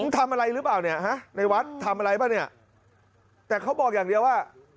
ทำอะไรหรือเปล่าเนี่ยฮะในวัดทำอะไรป่ะเนี่ยแต่เขาบอกอย่างเดียวว่า